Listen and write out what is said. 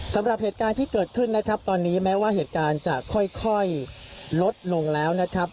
สำหรับเหตุการณ์ที่เกิดขึ้นนะครับตอนนี้แม้ว่าเหตุการณ์จะค่อยลดลงแล้วนะครับ